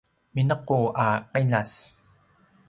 minequt a qiljas